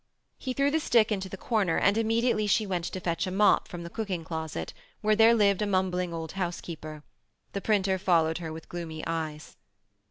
He threw the stick into the corner and immediately she went to fetch a mop from the cooking closet, where there lived a mumbling old housekeeper. The printer followed her with gloomy eyes.